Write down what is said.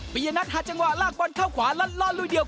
ยนัทหาจังหวะลากบอลเข้าขวาลั่นลูกเดียว